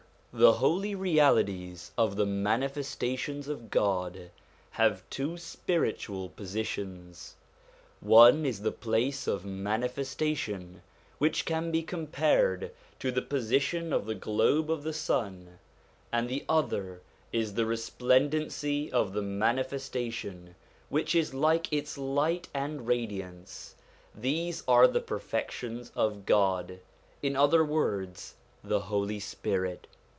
The holy realities of the Manifestations of God have two spiritual positions. One is the place of manifestation, which can be compared to the position of the globe of the sun, and the other is the resplen dency of the manifestation which is like its light and radiance; these are the perfections of God, in other words, the Holy Spirit.